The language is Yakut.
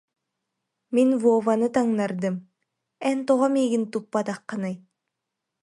Мин Вованы таҥнардым, эн тоҕо миигин туппатаххыный